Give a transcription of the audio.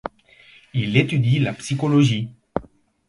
Il étudie la psychologie.